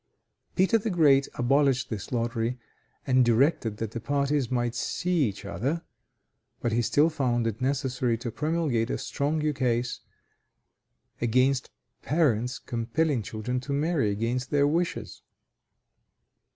Peter the Great abolished this lottery, and directed that the parties might see each other, but he still found it necessary to promulgate a strong ukase against parents compelling children to marry against their wishes.